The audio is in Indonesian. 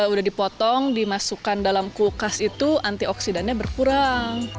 udah dipotong dimasukkan dalam kulkas itu antioksidannya berkurang